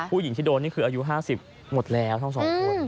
ผู้หญิงที่โดนนี่คืออายุ๕๐หมดแล้วทั้ง๒คน